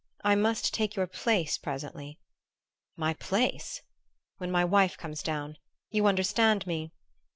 "I must take your place presently " "My place ?" "When my wife comes down. You understand me."